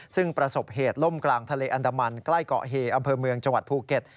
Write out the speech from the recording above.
ซึ่งประสบเหตุล่มกลางทะเลอันดามันใกล้เกาะเฮอำเภอเมืองจังหวัดภูเก็ต